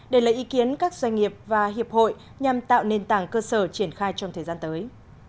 để lấy ý kiến các doanh nghiệp và hiệp hội nhằm tạo nền tảng cơ sở triển khai trong thời gian tới